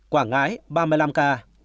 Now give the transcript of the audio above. quảng ngãi ba mươi năm ca